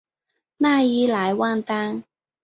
讷伊莱旺丹。